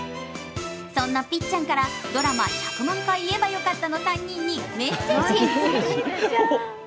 そんなぴっちゃんからドラマ「１００万回言えばよかった」の３人にメッセージ。